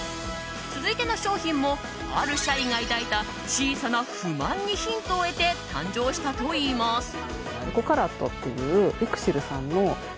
続いての商品もある社員が抱いた小さな不満にヒントを得て誕生したといいます。